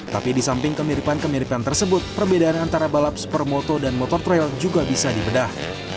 tapi di samping kemiripan kemiripan tersebut perbedaan antara balap supermoto dan motor trail juga bisa dibedah